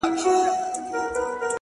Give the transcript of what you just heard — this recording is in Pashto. • تبۍ را واخلی مخ را تورکړۍ,